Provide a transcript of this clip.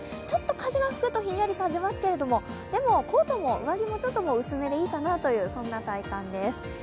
ちょっと風が吹くとひんやり感じますけれどもでもコートも上着も薄めでいいかなという体感です。